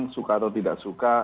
suka atau tidak suka